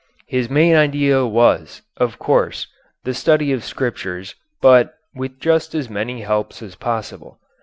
His main idea was, of course, the study of Scriptures, but with just as many helps as possible.